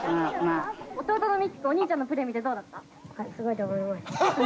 弟の三木くんお兄ちゃんのプレー見てどうだった？